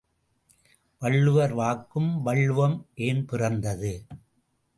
வள்ளுவர் வாக்கு வள்ளுவம் ஏன் பிறந்தது?